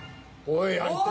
おい。